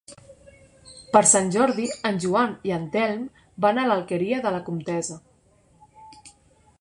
Per Sant Jordi en Joan i en Telm van a l'Alqueria de la Comtessa.